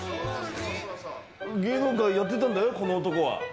芸能界やってたんだよ、このおとこは。